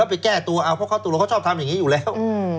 ไปแก้ตัวเอาเพราะเขาตัวเขาชอบทำอย่างนี้อยู่แล้ว